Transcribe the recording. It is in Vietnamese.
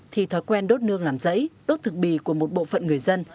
thì thói quen đốt nương làm rẫy đốt thực bì của một bộ phận người dân